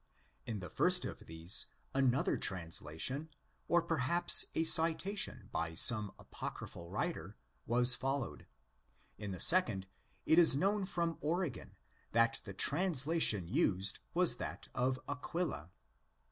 In the first of these, another translation, or perhaps a citation by some apocryphal writer, was followed. In the second, it is known from Origen that the translation used was that of Aquila.